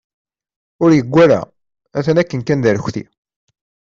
Ur yewwa ara, atan akken kan d arekti.